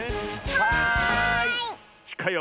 はい！